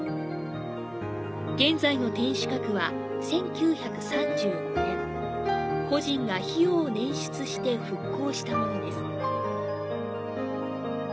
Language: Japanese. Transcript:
現在の天守閣は１９３５年、個人が費用を捻出して復興したものです。